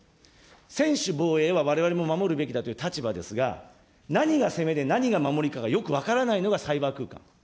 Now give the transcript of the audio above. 専守防衛はわれわれも守るべきだという立場ですが、何が攻めで、何が守りかがよく分からないのがサイバー空間。